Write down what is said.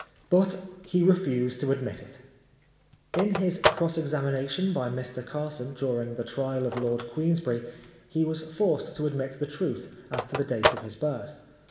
But he refused to admit it. In his cross examination by Mr Carson during the trial of Lord Queensberry he was forced to admit the truth as to the date of his birth.